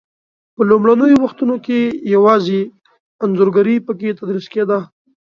په لومړنیو وختو کې یوازې انځورګري په کې تدریس کېده.